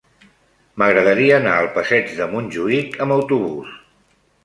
M'agradaria anar al passeig de Montjuïc amb autobús.